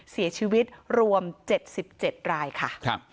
เสียชีวิตรวม๗๗รายค่ะ